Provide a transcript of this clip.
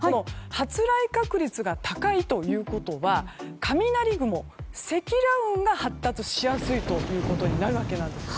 発雷確率が高いということは雷雲、積乱雲が発達しやすいということになるわけなんです。